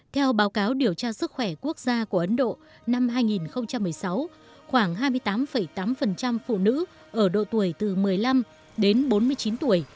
theo báo cáo điều tra sức khỏe quốc gia của ấn độ năm hai nghìn một mươi sáu khoảng hai mươi tám tám phụ nữ ở độ tuổi từ một mươi năm đến bốn mươi chín tuổi